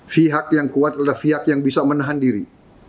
pihak yang kuat adalah pihak yang bisa menahan diri